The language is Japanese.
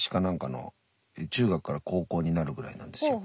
中学から高校になるぐらいなんですよ。